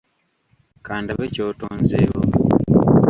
Kandabe ky'otonzeewo.